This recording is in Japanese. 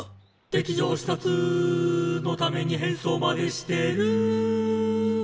「敵情視察」「のために変装までしてる」